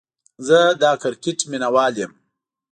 زه دا کرکټ ميناوال يم